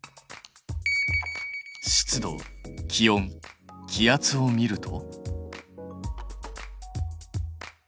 湿度気温気圧を見ると？